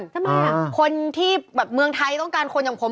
ทำไมคนที่แบบเมืองไทยต้องการคนอย่างผม